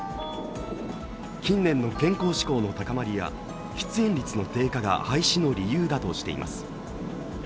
近年の健康志向の高まりや喫煙率の低下が廃止の理由だとしています。